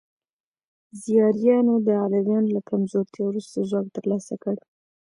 زیاریانو د علویانو له کمزورتیا وروسته ځواک ترلاسه کړ.